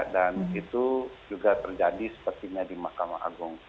dan itu juga terjadi sepertinya di mahkamah agung